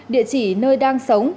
địa chỉ nơi đang sống